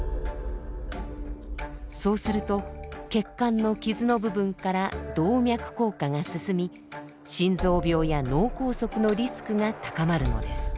そうすると血管の傷の部分から動脈硬化が進み心臓病や脳梗塞のリスクが高まるのです。